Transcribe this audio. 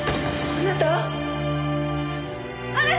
あなた！